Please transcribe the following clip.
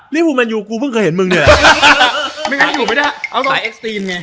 นี่พูดแมนยูกูเพิ่งเคยเห็นมึงเนี่ย